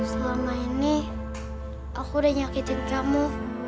selama ini aku udah nyakitin kamu